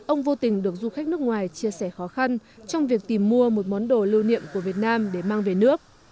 ông vô tình được du khách nước ngoài chia sẻ khó khăn trong việc tìm mua một món đồ lưu niệm của việt nam để mang về nước